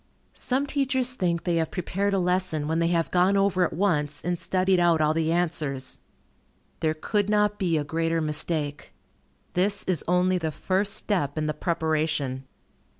Some teachers think they have prepared a lesson when they have gone over it once, and studied out all the answers. There could not be a greater mistake. This is only the first step in the preparation.